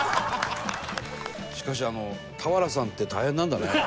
しかしあの田原さんって大変なんだね。